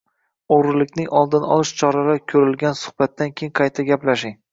o‘g‘rilikning oldini olish choralari ko‘rilgan suhbatdan keyin qayta gaplashing.